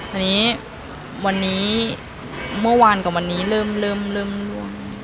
อันนี้วันนี้เมื่อวานกว่าวันนี้เริ่มเริ่มเริ่มล่วง